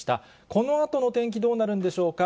このあとの天気、どうなるんでしょうか。